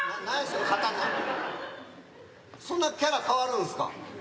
そんなキャラ変わるんすか？